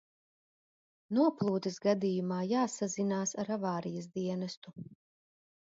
Noplūdes gadījumā jāsazinās ar avārijas dienestu.